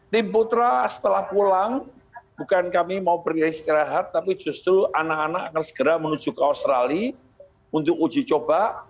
tim putra setelah pulang bukan kami mau beristirahat tapi justru anak anak akan segera menuju ke australia untuk uji coba